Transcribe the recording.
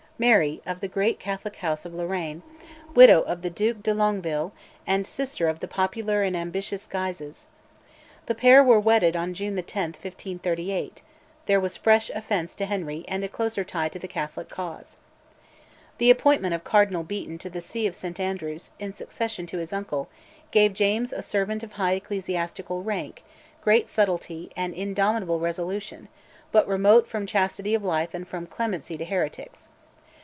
Mary, of the great Catholic house of Lorraine, widow of the Duc de Longueville, and sister of the popular and ambitious Guises. The pair were wedded on June 10, 1538; there was fresh offence to Henry and a closer tie to the Catholic cause. The appointment of Cardinal Beaton (1539) to the see of St Andrews, in succession to his uncle, gave James a servant of high ecclesiastical rank, great subtlety, and indomitable resolution, but remote from chastity of life and from clemency to heretics.